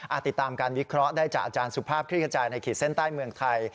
ติดตามการวิเคราะห์ได้จากอาจารย์สุภาพคลิกกระจายในขีดเส้นใต้เมืองไทย